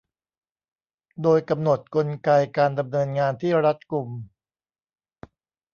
โดยกำหนดกลไกการดำเนินงานที่รัดกุม